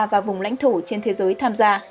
và vùng lãnh thủ trên thế giới tham gia